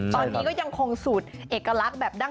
ตอนนี้ก็ยังคงสูตรเอกลักษณ์